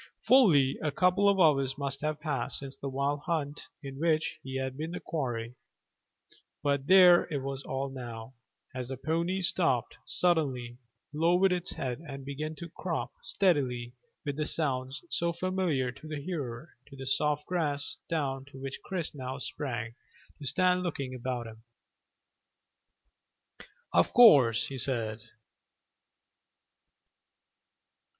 Fully a couple of hours must have passed since the wild hunt in which he had been the quarry; but there it all was now, as the pony stopped suddenly, lowered its head, and began to crop steadily with the sounds so familiar to the hearer, at the soft grass down to which Chris now sprang, to stand looking about him. "Of course," he said.